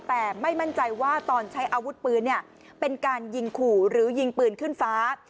แต่ไม่มั่นใจว่าตอนใช้อาวุธปืนเป็นการยิงขู่หรือยิงปืนขึ้นฟ้า